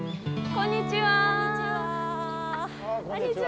こんにちは。